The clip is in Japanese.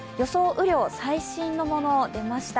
雨量、最新のもの出ました。